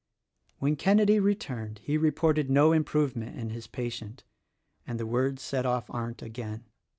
When Kenedy returned he reported no improvement in his patient, and the word set off Arndt again.